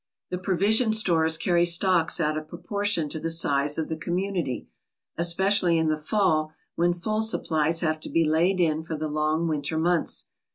The provision stores carry stocks out of proportion to the size of the community, especially in the fall when full supplies have to be laid in for the long winter months.